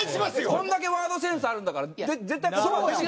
こんだけワードセンスあるんだから絶対。